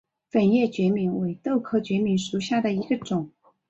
粉叶决明为豆科决明属下的一个种。